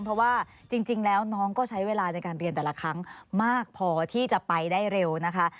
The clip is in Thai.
เพราะว่าจริงแล้วน้องก็ใช้เวลาในการเรียนแต่ละครั้งมากพอที่จะไปได้เร็วนะคะ